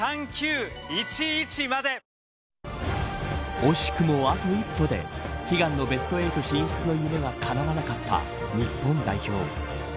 惜しくもあと一歩で悲願のベスト８進出の夢が叶わなかった日本代表。